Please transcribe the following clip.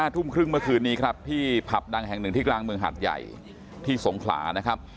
ทุ่มครึ่งเมื่อคืนนี้ครับที่ผับดังแห่งหนึ่งที่กลางเมืองหัดใหญ่ที่สงขลานะครับ